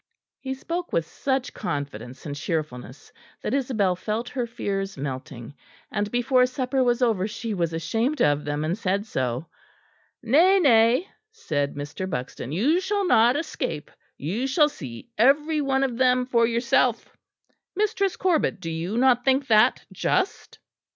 He spoke with such confidence and cheerfulness that Isabel felt her fears melting, and before supper was over she was ashamed of them, and said so. "Nay, nay," said Mr. Buxton, "you shall not escape. You shall see every one of them for yourself. Mistress Corbet, do you not think that just?"